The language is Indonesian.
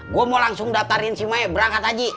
gua mau langsung datarin si may berangkat haji